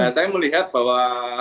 saya melihat bahwa